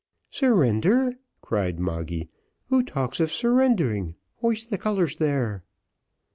"Surrender!" cried Moggy, "who talks of surrender? hoist the colours there."